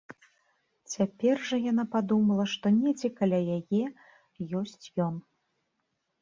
Цяпер жа яна падумала, што недзе каля яе ёсць ён.